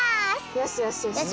よしよしよしよし。